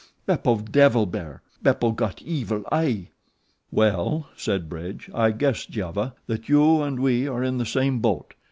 Beppo devil bear! Beppo got evil eye. "Well," said Bridge, "I guess, Giova, that you and we are in the same boat.